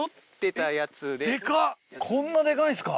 こんなデカいんですか？